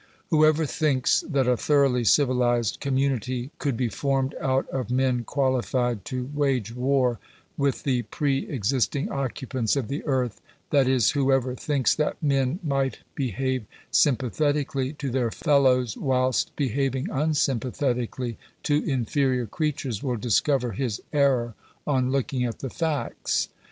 Whoever thinks that a thoroughly civilized community could be formed out of men qualified to wage war with the pre exist ing occupants of the earth — that is, whoever thinks that men might behave sympathetically to their fellows, whilst behaving unsympathetically to inferior creatures, will discover his error on looking at the facts.